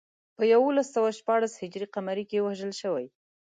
په یولس سوه شپاړس هجري قمري کې وژل شوی.